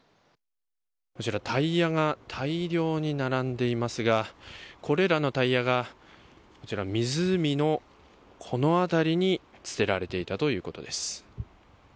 こちら、タイヤが大量に並んでいますがこれらのタイヤが湖のこの辺りに捨てられていたということです。